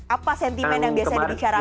apa sentimen yang biasanya dibicarakan